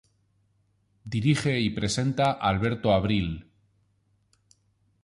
Dirige y presenta Alberto Abril.